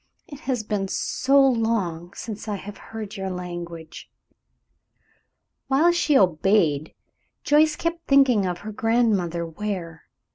"It has been so long since I have heard your language." While she obeyed Joyce kept thinking of her Grandmother Ware.